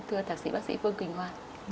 thưa thạc sĩ bác sĩ phương quỳnh hoa